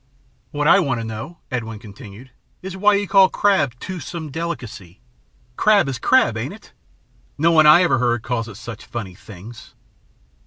"What I want to know," Edwin continued, "is why you call crab 'toothsome delicacy'? Crab is crab, ain't it? No one I never heard calls it such funny things."